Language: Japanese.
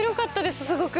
すごく。